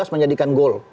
dua belas menjadikan gol